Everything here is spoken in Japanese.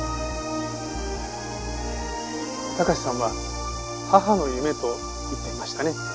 貴史さんは「母の夢」と言っていましたね。